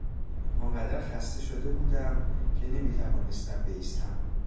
آنقدر خسته شده بودم که نمیتوانستم بایستم.